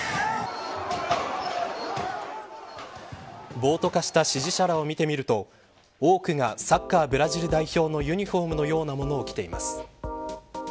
暴徒化した支持者らを見てみると多くがサッカーブラジル代表のユニホームのようなものを着ています。